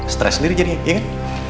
stres sendiri jadinya iya kan